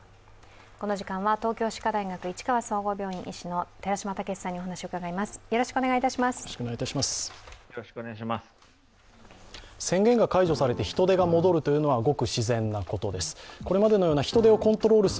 この時間は東京歯科大学市川総合病院医師の寺嶋毅さんにお話を伺います。